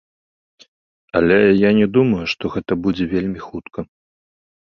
Але я не думаю, што гэта будзе вельмі хутка.